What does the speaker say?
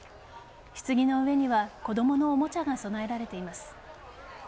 棺の上には子供のおもちゃが備えられています。